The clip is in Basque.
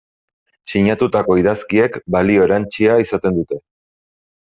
Sinatutako idazkiek balio erantsia izaten dute.